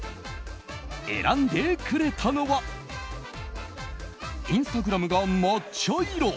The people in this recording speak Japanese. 選んでくれたのはインスタグラムが抹茶色！